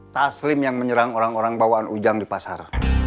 taslim yang menyerang orang orang bawaan ujang di pasar